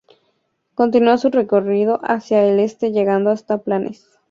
Continúa su recorrido hacia el este llegando hasta Planes.